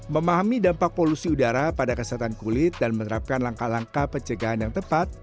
memahami dampak polusi udara pada kesehatan kulit dan menerapkan langkah langkah pencegahan yang tepat